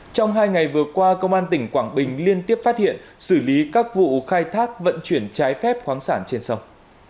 trong hai ngày vừa qua công an tỉnh quảng bình liên tiếp phát hiện xử lý các vụ khai thác vận chuyển trái phép khoáng sản trên sông